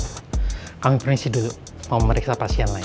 bu kami prinsip dulu mau memeriksa pasien lain